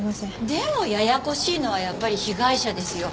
でもややこしいのはやっぱり被害者ですよ。